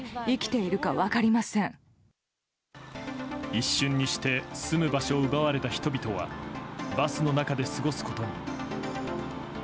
一瞬にして住む場所を奪われた人々はバスの中で過ごすことに。